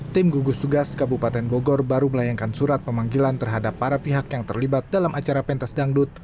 tim gugus tugas kabupaten bogor baru melayangkan surat pemanggilan terhadap para pihak yang terlibat dalam acara pentas dangdut